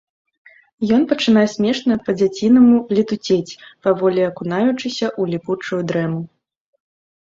Ён пачынае смешна, па-дзяцінаму летуцець, паволі акунаючыся ў ліпучую дрэму.